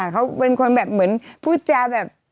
เขาเป็นคนแบบเหมือนพูดจาแบบ